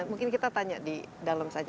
mungkin kita tanya di dalam saja